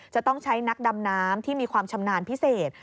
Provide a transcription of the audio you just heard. จะต้องใช้นักดำน้ำที่มีความชำนาญพิเศษ